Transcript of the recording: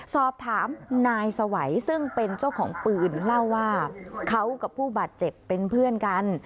สอบถามนายสวัยซึ่งเป็นเจ้าของปืนเล่าว่าเขากับผู้บาดเจ็บเป็นเพื่อนกัน